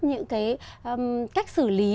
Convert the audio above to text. những cách xử lý